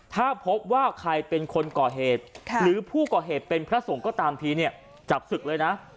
ถ้าพบว่าใครเป็นคนก่อเหตุหรือผู้ก่อเหตุเป็นพระสงฆ์ก็ตามทีเนี่ยจับศึกเลยนะ